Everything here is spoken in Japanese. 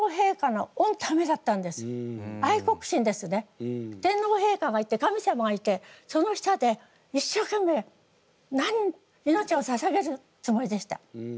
だから天皇陛下がいて神様がいてその下で一生懸命命をささげるつもりでした。